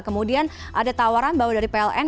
kemudian ada tawaran bahwa dari pln